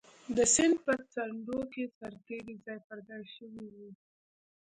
د سیند په څنډو کې سرتېري ځای پر ځای شوي وو.